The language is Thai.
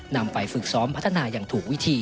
นำไปฝึกซ้อมพัฒนาอย่างถูกวิธี